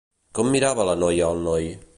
Com mirava la noia al noi?